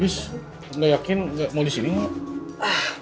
terus nggak yakin nggak mau di sini nggak